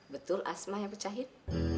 betul asma yang pecahin